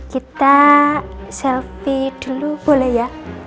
kita selfie dulu boleh ya